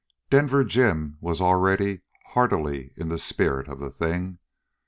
8 Denver Jim was already heartily in the spirit of the thing.